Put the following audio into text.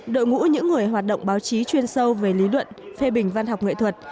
đội ngũ những người hoạt động báo chí chuyên sâu về lý luận phê bình văn học nghệ thuật